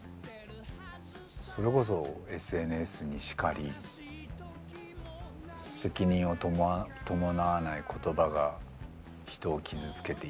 それこそＳＮＳにしかり責任を伴わない言葉が人を傷つけていたりとか。